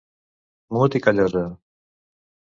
Mut i Callosa!